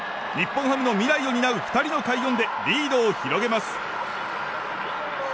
日本ハムの未来を担う２人の快音でリードを広げます。